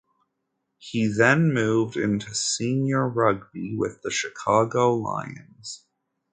He then moved into senior rugby with the Chicago Lions.